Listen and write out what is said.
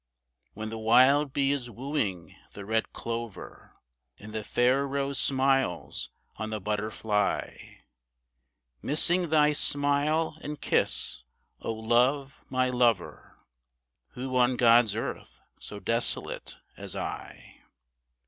When the wild bee is wooing the red clover, And the fair rose smiles on the butterfly, Missing thy smile and kiss, O love, my lover, Who on God's earth so desolate as I?